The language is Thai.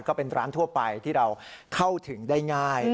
ก็เป็นร้านทั่วไปที่เราเข้าถึงได้ง่าย